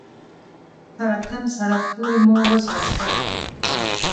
تر اتم سړک پورې مو وځغاستل.